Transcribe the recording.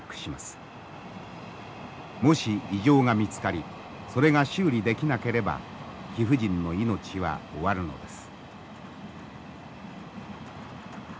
もし異常が見つかりそれが修理できなければ貴婦人の命は終わるのです。